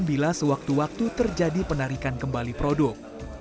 bila sewaktu waktu terjadi penarikan kembali produk